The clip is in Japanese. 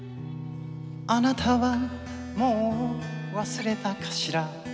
「貴方はもう忘れたかしら」